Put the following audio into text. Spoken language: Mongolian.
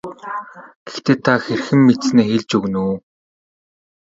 Гэхдээ та хэрхэн мэдсэнээ хэлж өгнө үү.